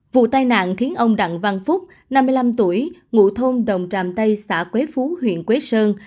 vụ tai nạn khiến ông đặng văn phúc năm mươi năm tuổi ngụ thôn đồng tràm tây xã quế phú huyện quế sơn